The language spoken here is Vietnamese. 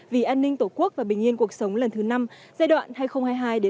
vì an ninh tổ quốc và bình yên cuộc sống lần thứ năm giai đoạn hai nghìn hai mươi hai hai nghìn hai mươi năm